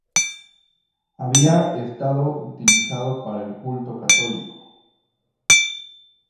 Había estado utilizado para el culto católico.